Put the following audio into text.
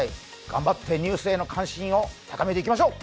頑張ってニュースへの関心を高めていきましょう！